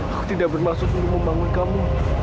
aku tidak bermaksud untuk membangun kamu